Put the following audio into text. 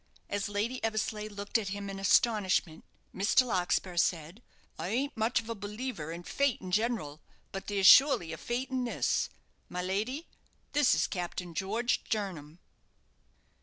As Lady Eversleigh looked at him in astonishment, Mr. Larkspur said: "I ain't much of a believer in Fate in general, but there's surely a Fate in this. My lady, this is Captain George Jernam!"